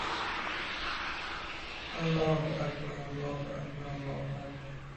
তিনি এর পরে ধরা পড়েন এবং দুই মাস নির্জন কারাগারে কাটিয়েছিলেন, কিন্তু তিনি শীঘ্রই তাঁর কর্মকাণ্ডে ফিরে আসেন।